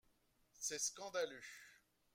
C’est scandaleux